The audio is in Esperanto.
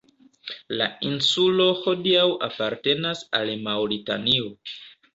La insulo hodiaŭ apartenas al Maŭritanio.